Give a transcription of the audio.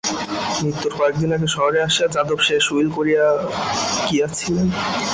মৃত্যুর কয়েকদিন আগে শহরে আসিয়া যাদব শেষ উইল করিয়া গিয়াছিলেন।